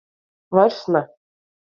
Vairs ne.